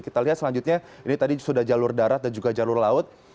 kita lihat selanjutnya ini tadi sudah jalur darat dan juga jalur laut